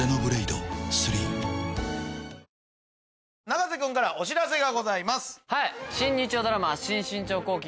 永瀬君からお知らせがございます。